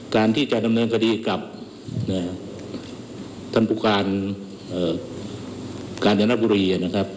การที่จะทำเนินคดีกับธนปุการณ์การธนปุรี